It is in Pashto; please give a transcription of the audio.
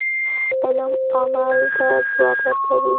علم عمل ته ځواک ورکوي.